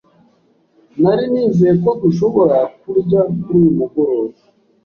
Nari nizeye ko dushobora kurya kuri uyu mugoroba.